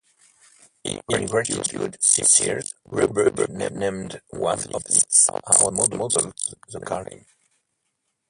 In gratitude, Sears, Roebuck named one of its house models the Carlin.